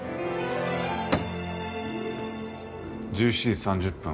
１７時３０分。